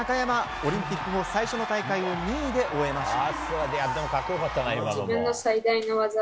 オリンピック後最初の大会を２位で終えました。